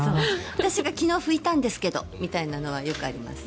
私が昨日拭いたんですけどっていうのはあります。